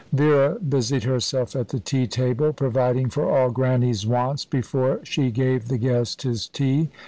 Vera busied herself at the tea table, providing for all Grannie's wants before she gave the guest his tea.